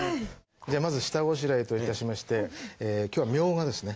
じゃあまず下ごしらえといたしましてきょうはみょうがですね。